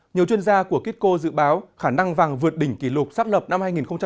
nhiều chuyên gia của kitco dự báo khả năng vàng vượt đỉnh kỷ lục sắp lập năm hai nghìn một mươi chín